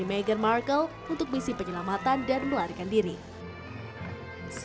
pertama meghan markle akan menjalani pelatihan militer di special air service setelah resmi menjadi keluarga kerajaan inggris